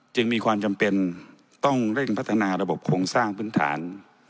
จึงมีความจำเป็นต้องเร่งพัฒนาระบบโครงสร้างพื้นฐาน